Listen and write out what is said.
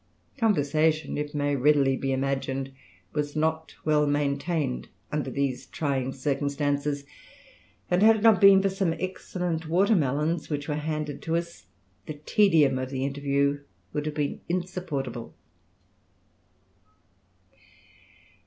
Conversation, it may readily be imagined, was not well maintained under these trying circumstances, and had it not been for some excellent watermelons which were handed to us, the tedium of the interview would have been insupportable."